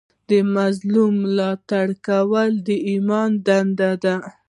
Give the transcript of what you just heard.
د مظلوم ملاتړ کول ایماني دنده ده.